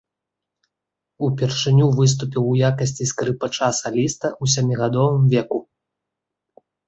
Упершыню выступіў у якасці скрыпача-саліста ў сямігадовым веку.